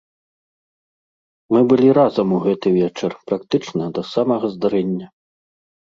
Мы былі разам у гэты вечар практычна да самага здарэння.